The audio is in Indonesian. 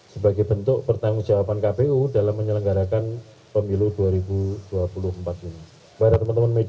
sebagai bentuk pertanggung jawaban kpu dalam menyelenggarakan pemilu dua ribu dua puluh empat ini